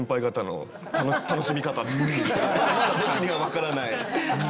まだ僕にはわからない。